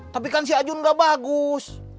tapi kan si ajun sudah bagus